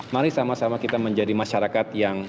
mari sama sama kita menjadi masyarakat yang